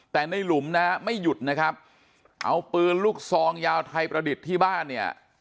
แต่ในหลุมนะฮะไม่หยุดนะครับเอาปืนลูกซองยาวไทยประดิษฐ์ที่บ้านเนี่ย